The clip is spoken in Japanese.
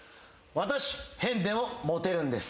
「私変でもモテるんです」